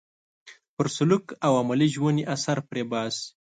پر سلوک او عملي ژوند یې اثر پرې باسي.